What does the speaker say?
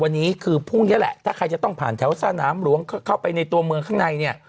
วันนี้คือพรุ่งนี้แหละถ้าใครจะต้องผ่านแถวสนามหลวงเข้าไปในตัวเมืองข้างในเนี่ย